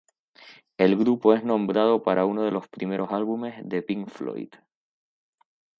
El grupo es nombrado para uno de los primeros álbumes de Pink Floyd.